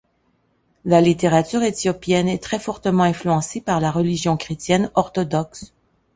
La littérature éthiopienne est très fortement influencée par la religion chrétienne orthodoxe.